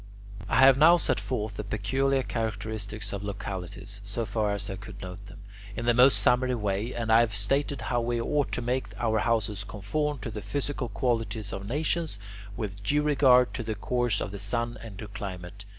I have now set forth the peculiar characteristics of localities, so far as I could note them, in the most summary way, and have stated how we ought to make our houses conform to the physical qualities of nations, with due regard to the course of the sun and to climate.